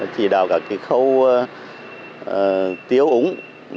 chỉ đạo các khâu tiêu ứng